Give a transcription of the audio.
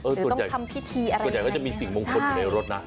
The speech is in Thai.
ส่วนใหญ่ก็จะมีสิ่งมงคลในรถนะ